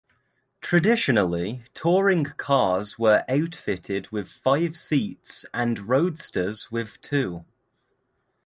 Traditionally touring cars were outfitted with five seats and roadsters with two.